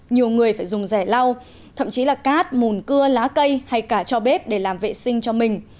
nhiều người phải dùng rẻ lau thậm chí là cát mùn cưa lá cây hay cả cho bếp để làm vệ sinh cho mình